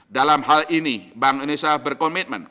dalam hal ini bank indonesia berkomitmen